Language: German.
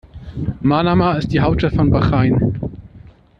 Manama ist die Hauptstadt von Bahrain.